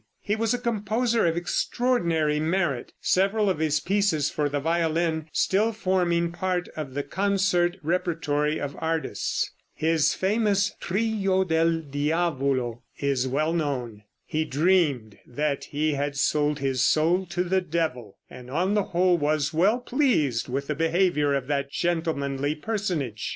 He was a composer of extraordinary merit, several of his pieces for the violin still forming part of the concert repertory of artists. His famous "Trillo del Diavolo," is well known. He dreamed that he had sold his soul to the devil, and on the whole was well pleased with the behavior of that gentlemanly personage.